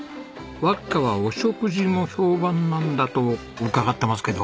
わっかはお食事も評判なんだと伺ってますけど？